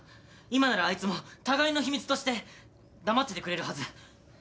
今ならあいつも互いの秘密として黙っててくれるはず